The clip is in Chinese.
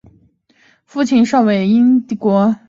父亲邵维钫英国奥地利裔白人香港社会活动家。